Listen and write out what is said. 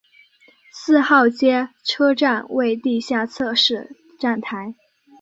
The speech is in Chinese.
四号街车站为地下侧式站台。